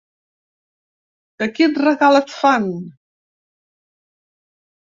De quin regal et fan?